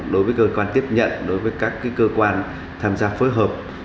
đối với cơ quan tiếp nhận đối với các cơ quan tham gia phối hợp